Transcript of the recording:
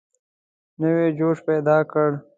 نوی جوش پیدا کړ.